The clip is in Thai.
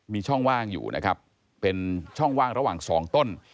มีช่องว่างอยู่นะครับเป็นช่องว่างระหว่างสองต้น